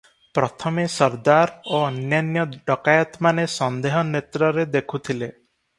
ପ୍ରଥମେ ସର୍ଦ୍ଦାର ଓ ଅନ୍ୟାନ୍ୟ ଡକାଏତମାନେ ସନ୍ଦେହ ନେତ୍ରରେ ଦେଖୁଥିଲେ ।